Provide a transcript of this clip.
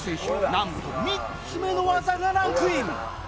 なんと３つ目の技がランクイン